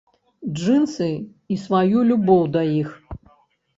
Джынсы і сваю любоў да іх?!